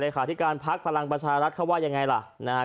เลขาอธิการพักษ์พลังประชารัฐเขาว่ายังไงล่ะ